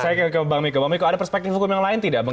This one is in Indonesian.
saya ke bang mikko ada perspektif hukum yang lain tidak